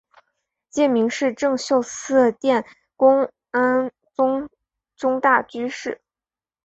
戒名是政秀寺殿功庵宗忠大居士。